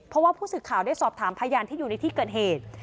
เพราะว่าผู้สื่อข่าวได้สอบถามพยานที่อยู่ในที่เกิดเหตุ